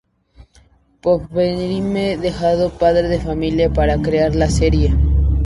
Povenmire dejado Padre de familia para crear la serie.